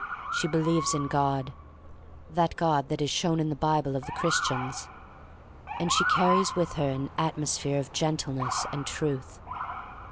She believes in God — that God that is shown in the Bible of the Christians. And she carries with her an atmosphere of gentleness and truth.